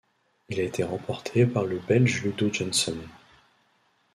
Elle a été remportée par le Belge Ludo Janssens.